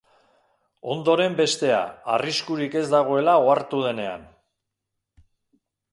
Ondoren bestea, arriskurik ez dagoela ohartu denean.